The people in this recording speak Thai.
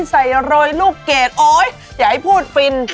โรยลูกเกรดโอ๊ยอย่าให้พูดฟิน